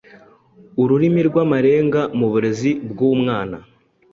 Ururimi rw’amarenga mu burezi bw’umwana